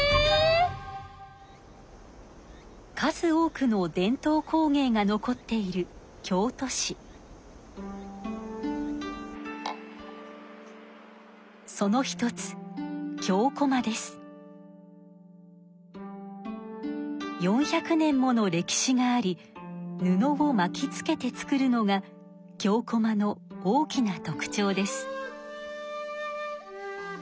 数多くの伝統工芸が残っているその一つ４００年もの歴史があり布をまきつけて作るのが京こまの大きな特ちょうです。